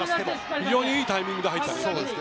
非常にいいタイミングで入ったね。